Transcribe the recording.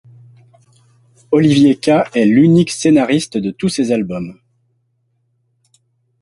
Olivier Ka est l'unique scénariste de tous ses albums.